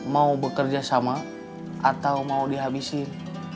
mau bekerja sama atau mau dihabisin